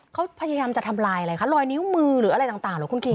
เขาพยายามจะทำลายอะไรคะลอยนิ้วมือหรืออะไรต่างเหรอคุณคิ